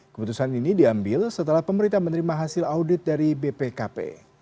keputusan ini diambil setelah pemerintah menerima hasil audit dari bpkp